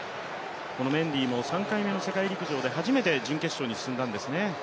メンディーも３回目の世界陸上で初めて準決勝に進んだんですね。